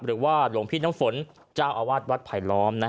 หรือว่าหลวงพิธนธรรมศ์เจ้าหวัดวัดไผลล้อม